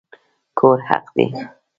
کور حق دی